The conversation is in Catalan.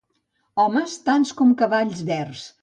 Homes? Tants com cavalls verds.